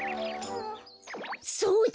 そうだ！